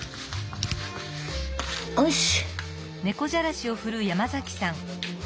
よし！